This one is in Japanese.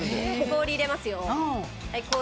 氷入れます。